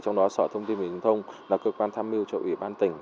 trong đó sở thông tin truyền thông là cơ quan tham hiu cho ubnd tỉnh